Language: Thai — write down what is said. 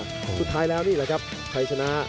สุดท้ายแล้วนี่แหละครับใครชนะ